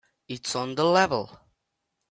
It's on the level.